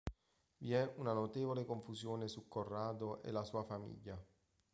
Vi è una notevole confusione su Corrado e la sua famiglia.